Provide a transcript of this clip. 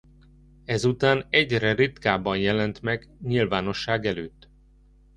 Ezután egyre ritkábban jelent meg nyilvánosság előtt.